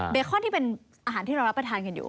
คอนที่เป็นอาหารที่เรารับประทานกันอยู่